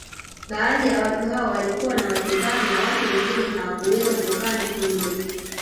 Baadhi ya watu hao wakiwa na wake zao na watu wengine hawakuweza kukaa Ntunzu